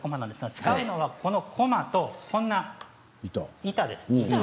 使うのは、こまとこちらの板です。